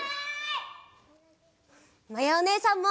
まやおねえさんも。